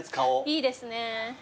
いいですね。